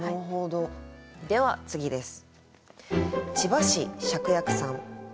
では次です。